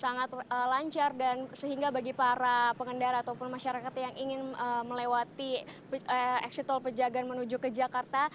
sangat lancar dan sehingga bagi para pengendara ataupun masyarakat yang ingin melewati eksit tol pejagaan menuju ke jakarta